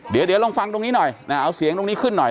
เดี๋ยวลองฟังตรงนี้หน่อยเอาเสียงตรงนี้ขึ้นหน่อย